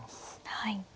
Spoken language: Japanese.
はい。